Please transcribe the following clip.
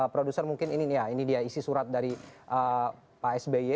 produser mungkin ini ya ini dia isi surat dari pak sby